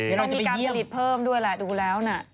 โอเคจะไปเยี่ยมต้องมีการผลิตเพิ่มด้วยล่ะดูแล้วน่ะ